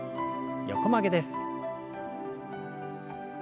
横曲げです。